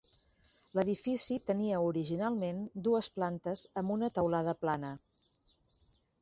L"edific tenia originalment dues plantes amb una teulada plana.